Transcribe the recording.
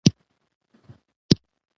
هماغه شان واوسم .